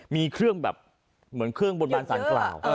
มีเครื่องแบบเหมือนเครื่องบนบานสารกล่าว